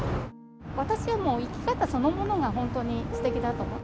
私はもう生き方そのものが本当にすてきだと思って。